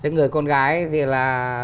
thế người con gái thì là